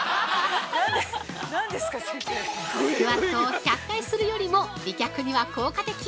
◆スクワットを１００回するよりも美脚には効果的！